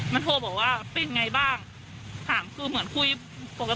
มันโทรบอกว่าเป็นไงบ้างถามคือเหมือนคุยปกติ